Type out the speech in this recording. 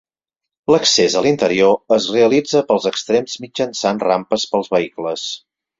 L'accés a l'interior es realitza pels extrems mitjançant rampes pels vehicles.